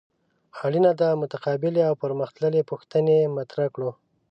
اړینه ده متقابلې او پرمخ تللې پوښتنې مطرح کړو.